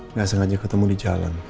nggak sengaja ketemu di jalan